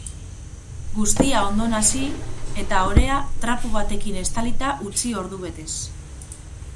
Guztia ondo nahasi, eta orea trapu batekin estalita utzi ordubetez.